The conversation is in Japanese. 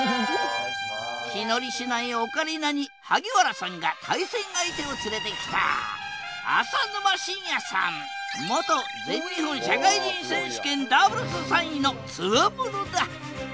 気乗りしないオカリナに萩原さんが対戦相手を連れてきた元全日本社会人選手権ダブルス３位のツワモノだ！